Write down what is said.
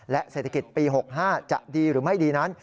และเศรษฐกิจปี๖๕จะดีหรือไม่ดีนั้น